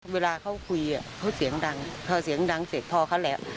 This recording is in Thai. เวลาเขาคุยเขาเสียงดังพอเสียงดังเสร็จพอเขาแหลม